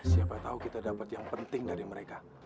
siapa tau kita dapet yang penting dari mereka